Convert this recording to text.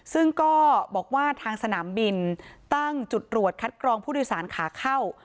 ซึ่งก็บอกว่าทางสนามบินตั้งจุดตรวจคัดกรองผู้โดยสารขาเข้า